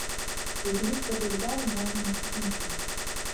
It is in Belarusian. Зразумець гэтую з'яву можна наступным чынам.